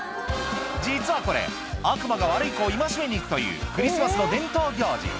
実はこれ悪魔が悪い子を戒めに行くというクリスマスの伝統行事